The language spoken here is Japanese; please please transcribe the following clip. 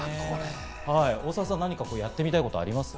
大沢さん、何かやってみたいことはありますか？